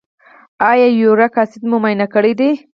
ایا یوریک اسید مو معاینه کړی دی؟